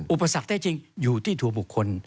อุปสรรคแท้จริงอยู่ที่ถั่วบุคคล